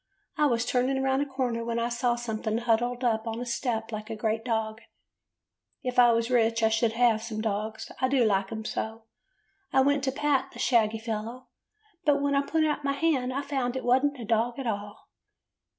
I was turning round a cor ner when I saw something huddled up on the step like a great dog. If I was rich I should have some dogs, I do like 'em so. I went to pat the shaggy fellow, but when I put out my hand I found it was n't a dog at all.